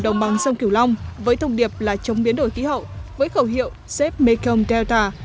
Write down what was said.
đồng bằng sông kiều long với thông điệp là chống biến đổi khí hậu với khẩu hiệu zep mekong delta